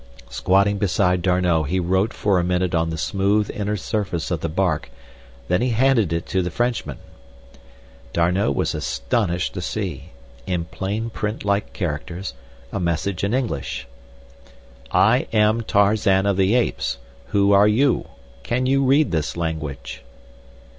Squatting beside D'Arnot he wrote for a minute on the smooth inner surface of the bark; then he handed it to the Frenchman. D'Arnot was astonished to see, in plain print like characters, a message in English: I am Tarzan of the Apes. Who are you? Can you read this language?